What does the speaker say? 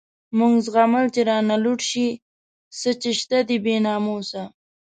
موږ زغمل چی رانه لوټ شی، څه چی شته دی بی ناموسه